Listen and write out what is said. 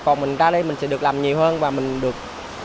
còn mình ra đây mình sẽ được làm nhiều hơn và mình được